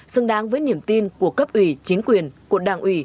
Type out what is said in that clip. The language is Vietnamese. xứng đáng với niềm tin của cấp ủy chính quyền của đảng ủy